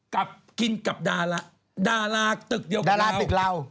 กินกับดาราตึกเดียวกับเรา